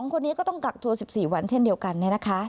คนนี้ก็ต้องกักตัว๑๔วันเช่นเดียวกันเนี่ยนะคะ